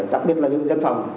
đặc biệt là những dân phòng